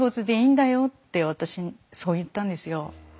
私にそう言ったんですよ。